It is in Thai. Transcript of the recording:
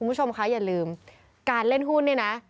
คุณผู้ชมคะอย่าลืมการเล่นหุ้นเนี่ยนะ